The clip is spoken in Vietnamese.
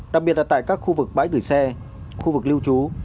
đặc biệt là tại các khu vực bãi gửi xe khu vực lưu trú